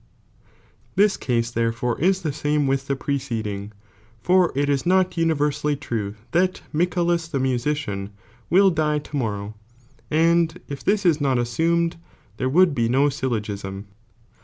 This case therefore ia the same with the preceding, for it is not uni versally true that Miccalua the musician will die to morrow, and if this is not assumed, there would be no syUogiam.